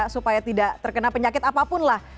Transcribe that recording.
supaya tidak terkena penyakit apapun lah